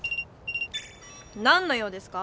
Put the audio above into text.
なんの用ですか？